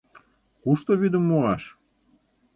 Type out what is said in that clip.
Кушто вӱдым муаш?